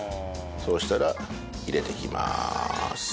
そうしたら入れていきます。